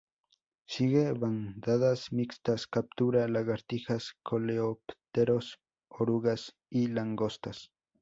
Sigue bandadas mixtas, captura lagartijas, coleópteros, orugas y langostas.